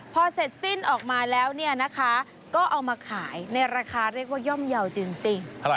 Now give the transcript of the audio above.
พอเสร็จสิ้นออกมาแล้วเนี่ยนะคะก็เอามาขายในราคาเรียกว่าย่อมเยาว์จริง